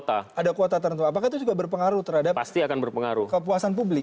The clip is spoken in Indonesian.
ada kuota tertentu apakah itu juga berpengaruh terhadap kepuasan publik